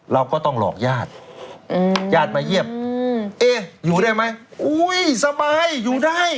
เราก็ต้องหลอกญาติญาติมาเยี่ยมเอ๊อยู่ได้ไหมอุ้ยสบายอยู่ได้